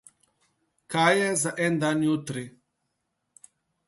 Kaj je za en dan jutri?